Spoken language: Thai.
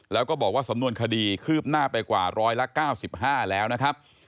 แล้วก็บอกว่าสำนวนคดีคืบหน้าไปกว่าร้อยละ๙๕แล้วนะครับ